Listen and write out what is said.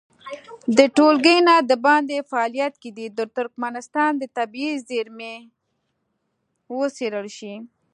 د ټولګي نه د باندې فعالیت کې دې د ترکمنستان طبیعي زېرمې وڅېړل شي.